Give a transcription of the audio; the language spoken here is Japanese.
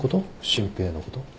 真平のこと？